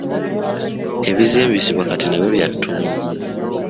Ebizimbisibwa kati nabyo byattunzi.